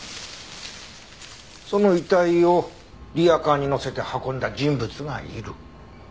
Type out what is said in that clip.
その遺体をリヤカーにのせて運んだ人物がいる。